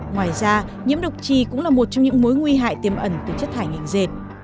ngoài ra nhiễm độc trì cũng là một trong những mối nguy hại tiềm ẩn từ chất thải ngành dệt